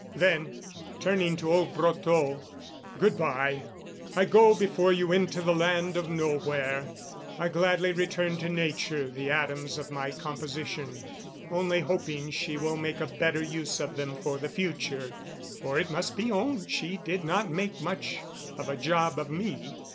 Then, turning to old Brotteaux: "Good bye, I go before you into the land of nowhere. I gladly return to Nature the atoms of my composition, only hoping she will make a better use of them for the future, for it must be owned she did not make much of a job of me."